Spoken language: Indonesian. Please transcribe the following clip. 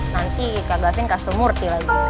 nanti kak gavin kasih omur di lagi